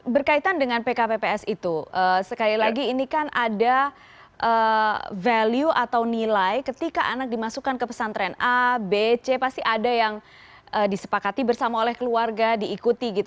berkaitan dengan pkpps itu sekali lagi ini kan ada value atau nilai ketika anak dimasukkan ke pesantren a b c pasti ada yang disepakati bersama oleh keluarga diikuti gitu